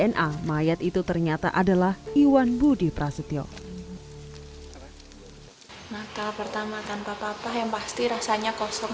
di dna mayat itu ternyata adalah iwan budi prasetyo